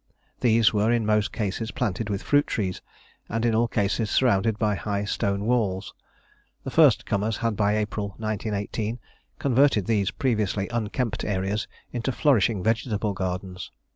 These were in most cases planted with fruit trees, and in all cases surrounded by high stone walls. The first comers had by April 1918 converted these previously unkempt areas into flourishing vegetable gardens.